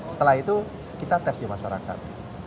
setelah itu kita tes di masyarakat